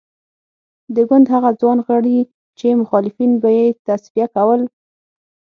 د ګوند هغه ځوان غړي چې مخالفین به یې تصفیه کول.